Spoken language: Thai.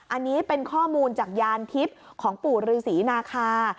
อันนี้เป็นข้อมูลจากยานทิพย์ของปู่ฤษีนาคา